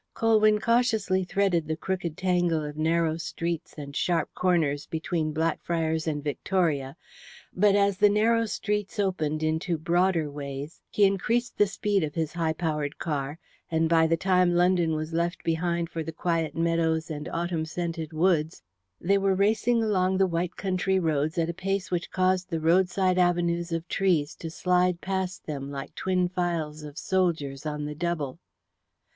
Colwyn cautiously threaded the crooked tangle of narrow streets and sharp corners between Blackfriars and Victoria, but as the narrow streets opened into broader ways he increased the speed of his high powered car, and by the time London was left behind for the quiet meadows and autumn scented woods they were racing along the white country roads at a pace which caused the roadside avenues of trees to slide past them like twin files of soldiers on the double.